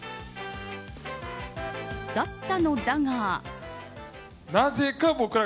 だったのだが。